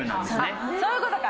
あっそういうことか。